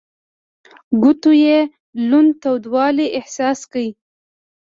ګوتو يې لوند تودوالی احساس کړ.